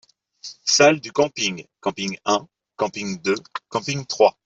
Salles du camping : camping un, camping deux, camping trois.